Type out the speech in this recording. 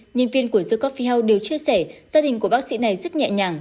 nhân viên của the coffee house đều chia sẻ gia đình của bác sĩ này rất nhẹ nhàng